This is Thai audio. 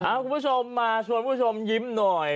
คุณผู้ชมมาชวนผู้ชมยิ้มหน่อย